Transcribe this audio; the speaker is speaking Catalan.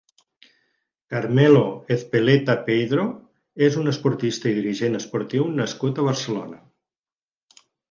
Carmelo Ezpeleta Peidro és un esportista i dirigent esportiu nascut a Barcelona.